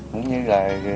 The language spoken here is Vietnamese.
cũng như là